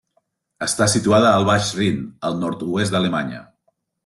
Està situada al baix Rin, al nord-oest d'Alemanya.